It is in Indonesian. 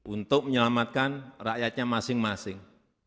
untuk menyelamatkan rakyatnya masing masing